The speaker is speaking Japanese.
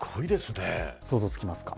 想像つきますか。